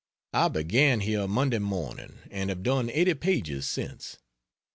I began here Monday morning, and have done eighty pages since.